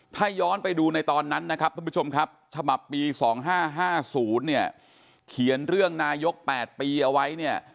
ถ้าย้อนไปดูในตอนนั้นนะครับท่านผู้ชมครับฉบับปี๒๕๕๐เนี่ยเขียนเรื่องนายก๘ปีเอาไว้เนี่ย